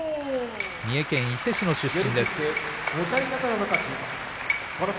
三重県伊勢市の出身です。